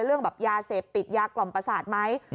เรื่องแบบยาเสพติดยากล่อมประสาทไหม